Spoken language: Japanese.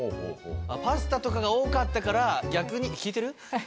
パスタとかが多かったから逆に。